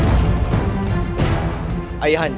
saya akan berubah porno baru anda